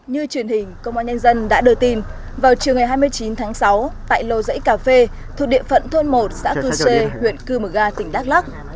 như truyền hình công an nhân dân đã đưa tin vào chiều ngày hai mươi chín tháng sáu tại lô dãy cà phê thuộc địa phận thôn một xã cư sê huyện cươm ga tỉnh đắk lắc